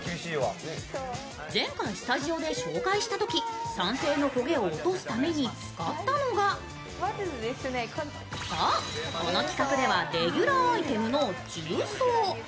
前回スタジオで紹介したとき、酸性の焦げ落とすために使ったのがそう、この企画ではレギュラーアイテムの重曹。